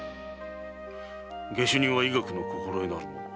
下手人は医学の心得がある者。